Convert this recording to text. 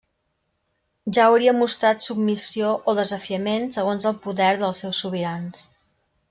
Ja hauria mostrat submissió o desafiament segons el poder dels seus sobirans.